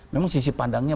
memang sisi pandangnya